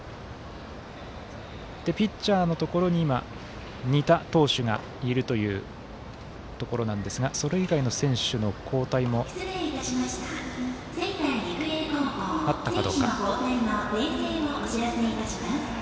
ピッチャーのところに今仁田投手がいるというところなんですがそれ以外の選手の交代もあったか。